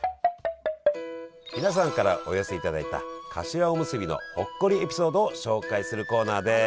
皆さんからお寄せいただいたかしわおむすびのほっこりエピソードを紹介するコーナーです！